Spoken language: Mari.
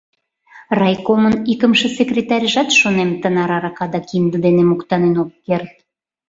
Райкомын икымше секретарьжат, шонем, тынар арака да кинде дене моктанен ок керт!